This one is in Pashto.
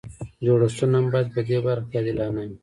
جوړښتونه هم باید په دې برخه کې عادلانه وي.